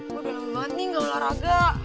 gue udah lama banget nih gak olahraga